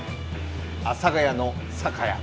阿佐ヶ谷の酒屋。